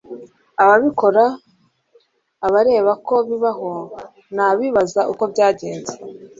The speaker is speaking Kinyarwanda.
Ababikora, abareba ko bibaho, n'abibaza uko byagenze. ”